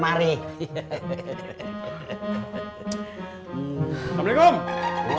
aku udah bangkit